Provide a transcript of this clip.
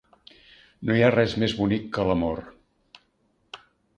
No hi ha res més bonic que l'amor.